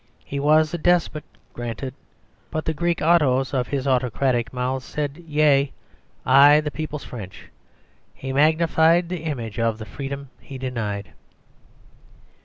He was a despot granted, But the [Greek: autos] of his autocratic mouth Said 'Yea' i' the people's French! He magnified The image of the freedom he denied."